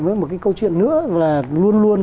với một cái câu chuyện nữa là luôn luôn